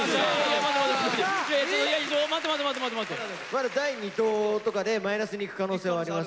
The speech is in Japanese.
まだ第２投とかでマイナスにいく可能性はあります。